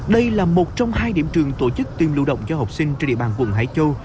đây là một trong hai điểm trường tổ chức tiêm lưu động cho học sinh trên địa bàn quận hải châu